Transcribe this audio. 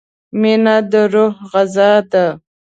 • مینه د روح غذا ده.